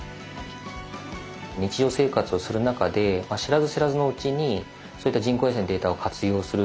日常生活をする中で知らず知らずのうちにそういった人工衛星のデータを活用する。